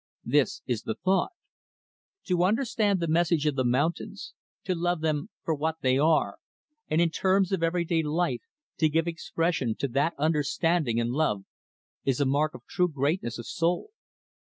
This is the thought: 'To understand the message of the mountains; to love them for what they are; and, in terms of every day life, to give expression to that understanding and love is a mark of true greatness of soul.'